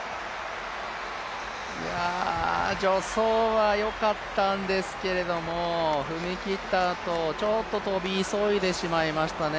助走はよかったんですけれども、踏み切ったあと、ちょっと跳び急いでしまいましたね。